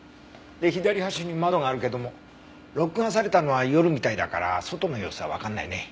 で左端に窓があるけども録画されたのは夜みたいだから外の様子はわかんないね。